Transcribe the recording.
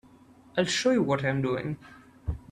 I'll show you what I'm doing.